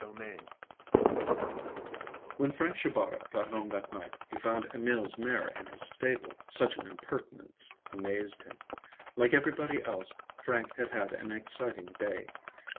VII When Frank Shabata got home that night, he found Emil's mare in his stable. Such an impertinence amazed him. Like everybody else, Frank had had an exciting day.